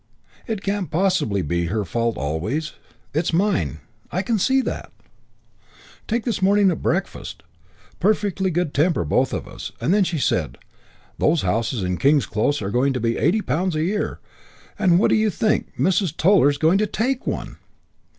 It can't possibly be her fault always. It's mine. I can see that. "Take this morning at breakfast. Perfectly good temper both of us. Then she said, 'Those houses in King's Close are going to be eighty pounds a year; and, what do you think, Mrs. Toller is going to take one!'